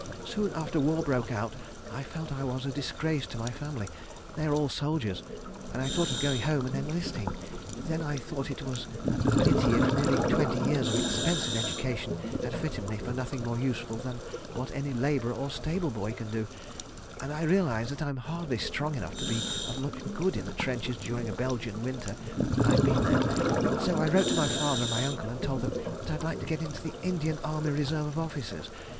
Soon after war broke out I felt I was a disgrace to my family—they are all soldiers—and I thought of going home and enlisting. ... Then I thought it was a pity if nearly twenty years of expensive education had fitted me for nothing more useful than what any labourer or stable boy can do—and I realised that I'm hardly strong enough to be of much good in the trenches during a Belgian winter—I've been there—so I wrote to my father and my uncle and told them I'd like to get into the Indian Army Reserve of Officers.